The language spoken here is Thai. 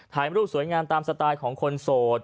ถ่ายรูปสวยงามตามสไตล์ของคนโสด